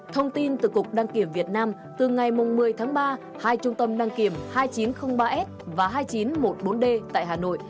thông tin từ cục đăng kiểm việt nam từ ngày một mươi tháng ba hai trung tâm đăng kiểm hai nghìn chín trăm linh ba s và hai nghìn chín trăm một mươi bốn d tại hà nội